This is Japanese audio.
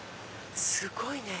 すごいね！